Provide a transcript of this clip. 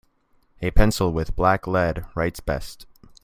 A pencil with black lead writes best.